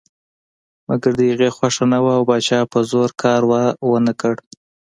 مګر د هغې خوښه نه وه او پاچا په زور کار ونه کړ.